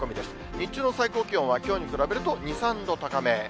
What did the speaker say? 日中の最高気温はきょうに比べると２、３度高め。